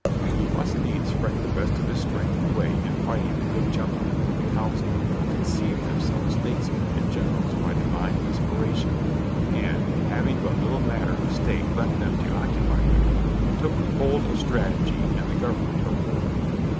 He must needs fret the best of his strength away in fighting the good gentlemen of the council who conceived themselves statesmen and generals by divine inspiration, and, having but little matter of state left them to occupy with, took hold of strategy and the government of war.